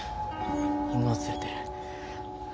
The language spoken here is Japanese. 犬を連れてる。